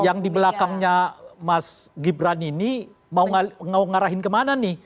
yang di belakangnya mas gibran ini mau ngarahin kemana nih